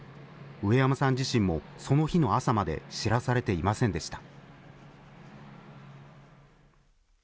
植山さん自身も、その日の朝まで知らされていませんでした。